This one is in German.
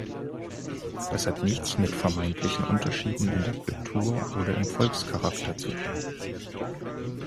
Das hat nichts mit vermeintlichen Unterschieden in der Kultur oder im Volkscharakter zu tun.